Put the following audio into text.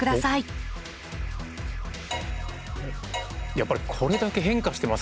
やっぱりこれだけ変化してますからね。